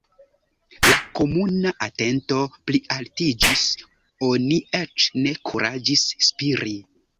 La komuna atento plialtiĝis; oni eĉ ne kuraĝis spiri.